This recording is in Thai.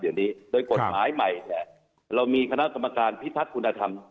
เดี๋ยวนี้โดยกฎหมายใหม่เนี่ยเรามีคณะกรรมการพิทักษ์คุณธรรม